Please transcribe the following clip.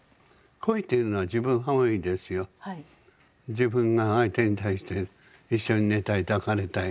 自分が相手に対して一緒に寝たい抱かれたい。